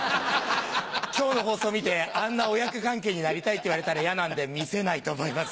今日の放送見て「あんな親子関係になりたい」って言われたら嫌なんで見せないと思います。